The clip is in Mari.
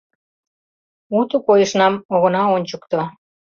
Уто койышнам огына ончыкто, -